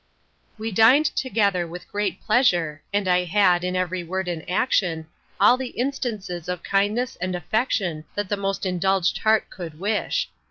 We dined together with great pleasure; and I had, in every word and action, all the instances of kindness and affection that the most indulged heart could wish.